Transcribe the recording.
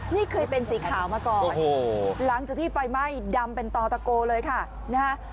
นี่เคยเป็นสีขาวมาก่อนหลังจากที่ไฟไหม้ดำเป็นต่อตะโกเลยค่ะนะฮะ